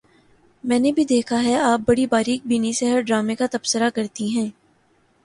میں نے بھی دیکھا ہے کہ آپ بڑی باریک بینی سے ہر ڈرامے کا تبصرہ کرتی ہیں